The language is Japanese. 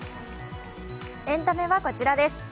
エンタメはこちらです。